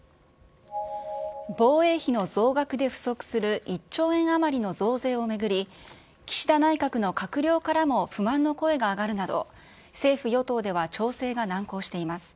防衛費の増額で不足する１兆円余りの増税を巡り、岸田内閣の閣僚からも不満の声が上がるなど、政府・与党では調整が難航しています。